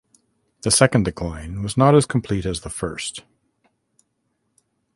The second decline was not as complete as the first.